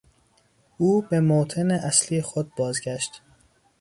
او به موطن اصلی خود بازگشت.